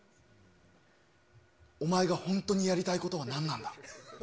お前が本当にやりたいことは何なんだ？